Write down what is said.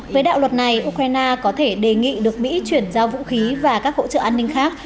với đạo luật này ukraine có thể đề nghị được mỹ chuyển giao vũ khí và các hỗ trợ an ninh khác